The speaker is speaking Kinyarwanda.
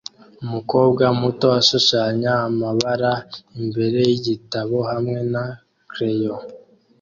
Umukobwa muto ashushanya amabara imbere yigitabo hamwe na crayons